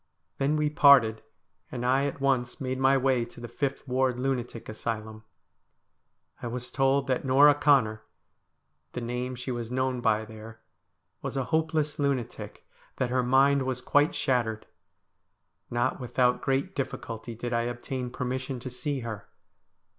Then we parted, and I at once made my way to the Fifth Ward Lunatic Asylum. I was told that Norah Connor — the name she was known by there — was a hopeless lunatic ; that her mind was quite shattered. Not without great difficulty did I obtain permission to see her.